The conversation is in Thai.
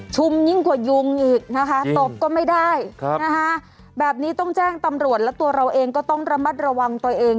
ยิ่งกว่ายุงอีกนะคะตบก็ไม่ได้แบบนี้ต้องแจ้งตำรวจและตัวเราเองก็ต้องระมัดระวังตัวเอง